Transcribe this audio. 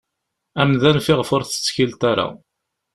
Amdan fiɣef ur tettkilleḍ ara.